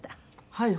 はい。